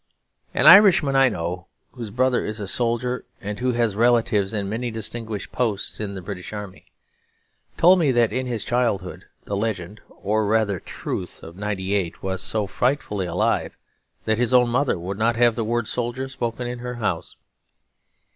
An Irishman I know, whose brother is a soldier, and who has relatives in many distinguished posts of the British army, told me that in his childhood the legend (or rather the truth) of '98 was so frightfully alive that his own mother would not have the word "soldier" spoken in her house.